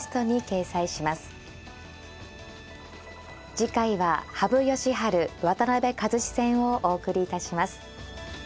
次回は羽生善治渡辺和史戦をお送りいたします。